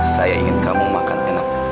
saya ingin kamu makan enak